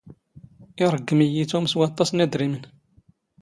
ⵉⵕⴳⴳⵎ ⵉⵢⵉ ⵜⵓⵎ ⵙ ⵡⴰⵟⵟⴰⵚ ⵏ ⵉⴷⵔⵉⵎⵏ.